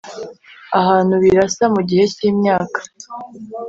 ahantu, birasa, mugihe cyimyaka